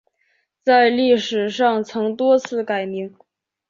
在历史上曾多次改名。